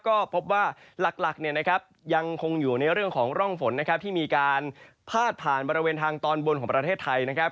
ก็พบว่าหลักยังคงอยู่ในเรื่องของร่องฝนนะครับที่มีการพาดผ่านบริเวณทางตอนบนของประเทศไทยนะครับ